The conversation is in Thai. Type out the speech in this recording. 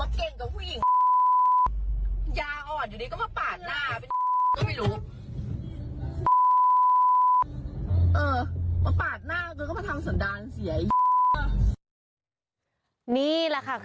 เมืองหน้าสาธรณ์